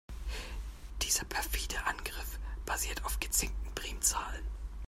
Dieser perfide Angriff basiert auf gezinkten Primzahlen.